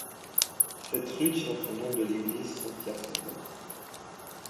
Cette rue tient son nom de l'église Saint-Pierre-Saint-Paul.